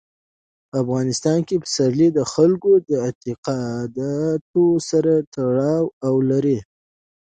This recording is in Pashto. په افغانستان کې پسرلی د خلکو د اعتقاداتو سره تړاو لري.